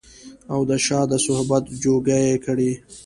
او د شاه د صحبت جوګه يې کړي